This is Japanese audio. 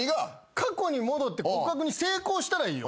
過去に戻って告白に成功したらいいよ。